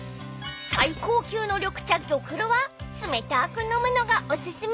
［最高級の緑茶玉露は冷たく飲むのがお薦め］